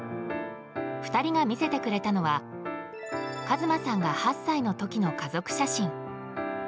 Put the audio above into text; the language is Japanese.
２人が見せてくれたのは和真さんが８歳の時の家族写真。